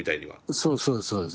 そうそうですそうです。